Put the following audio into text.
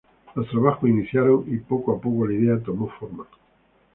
Los trabajos iniciaron y poco a poco la idea tomó forma.